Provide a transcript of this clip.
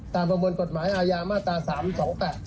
ตามประวัติกฎหมายอาญามาตรา๓๒๘นะครับ